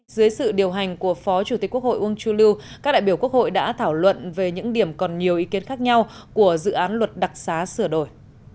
dưới sự điều hành của phó chủ tịch quốc hội uông chu lưu các đại biểu quốc hội đã thảo luận về những điểm còn nhiều ý kiến khác nhau của dự án luật đặc xá sửa đổi